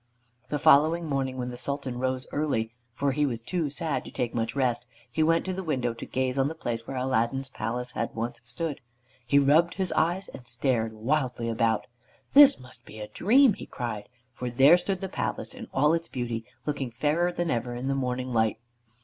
The following morning, when the Sultan rose early, for he was too sad to take much rest, he went to the window to gaze on the place where Aladdin's palace had once stood. He rubbed his eyes, and stared wildly about. "This must be a dream," he cried, for there stood the palace in all its beauty, looking fairer than ever in the morning light.